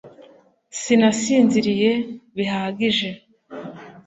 sinasinziriye bihagije